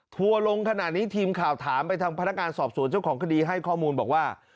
ทัวร์ลงขนาดนี้ทีมข่าวถามไปทางพนักงานสอบสวนเจ้าของคดีให้ข้อมูลบอกว่า